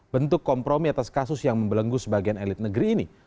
bentuk kompromi atas kasus yang membelenggu sebagian elit negeri ini